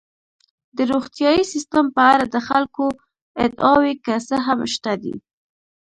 د روغتیايي سیستم په اړه د خلکو ادعاوې که څه هم شته دي.